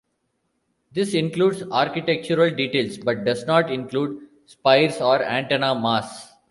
This includes architectural details but does not include spires or antenna masts.